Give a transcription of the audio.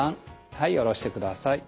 はい下ろしてください。